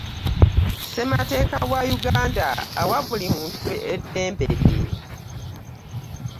Ssemateeka wa Uganda awa buli muntu eddembe lye.